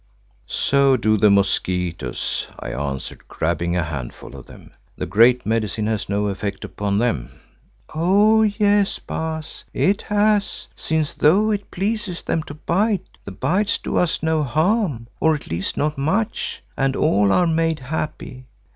"So do the mosquitoes," I answered, grabbing a handful of them. "The Great Medicine has no effect upon them." "Oh! yes, Baas, it has, since though it pleases them to bite, the bites do us no harm, or at least not much, and all are made happy.